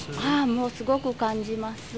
もうすごく感じます。